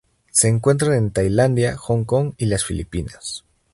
Se encuentran en Tailandia, Hong Kong y las Filipinas.